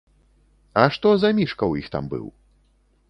А што за мішка ў іх там быў?